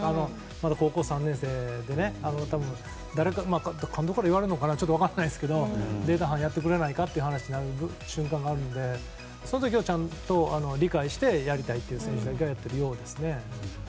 まだ高校３年生で監督から言われるのかちょっと分からないですがデータ班をやってくれないかという瞬間があるのでその時にちゃんと理解してやりたいという選手がやっているようですね。